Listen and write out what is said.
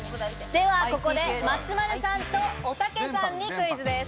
ではここで、松丸さんとおたけさんにクイズです。